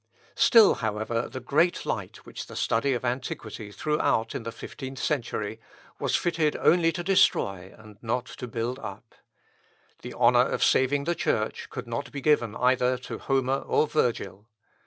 Still, however, the great light which the study of antiquity threw out in the fifteenth century, was fitted only to destroy, and not to build up. The honour of saving the Church could not be given either to Homer or Virgil.